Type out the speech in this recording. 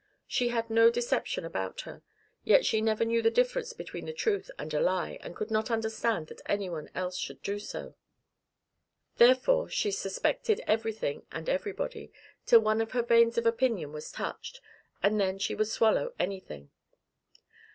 She had no deception about her, yet she never knew the difference between the truth and a lie, and could not understand that any one else should do so. Therefore she suspected everything and everybody, till one of her veins of opinion was touched, and then she would swallow anything.